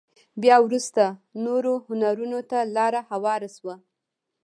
بيا وروسته نورو هنرونو ته لاره هواره شوه.